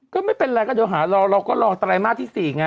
ก็ไม่เป็นอะไรเดี๋ยวหาเราก็ลองไตรมาสที่สี่